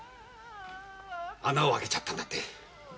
穴をあけちゃったんだって？